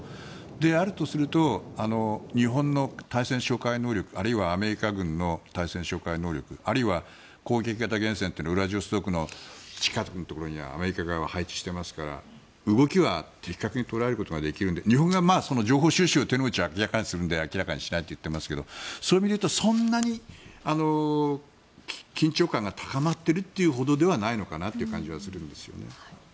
であるとすると日本の対潜哨戒能力あるいはアメリカ軍の対潜哨戒能力あるいは攻撃型原潜をウラジオストクの近くのところにアメリカ側が配置していますから動きは的確に捉えることができるので日本側が情報収集というのを明らかにしないと言ってますけどそういう意味で言うとそんなに緊張感が高まっているというほどではないのかなという感じはするんですよね。